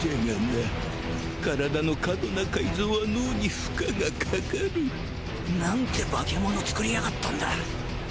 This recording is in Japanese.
身体の過度な改造は脳に負荷がかかる。なんて化け物つくりやがったんだ。